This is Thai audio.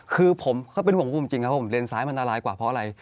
คือผมเขาเป็นห่วงคุณจริงครับเพราะผมเลนซ้ายมันอันตรายกว่าเพราะอะไร